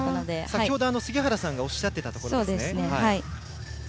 先程、杉原さんがおっしゃっていたところですね。